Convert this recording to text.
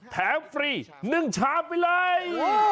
ฟรี๑ชามไปเลย